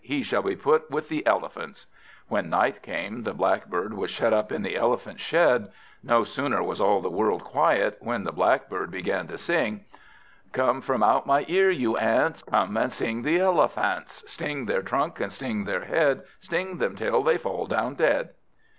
He shall be put with the Elephants." When night came the Blackbird was shut up in the Elephants' shed. No sooner was all the world quiet, than Blackbird began to sing "Come from out my ear, you Ants, Come and sting the Elephants; Sting their trunk, and sting their head, Sting them till they fall down dead."